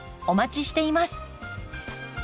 お待ちしています。